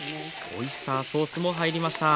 オイスターソースも入りました。